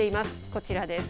こちらです。